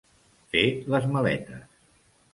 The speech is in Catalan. Fer les maletes.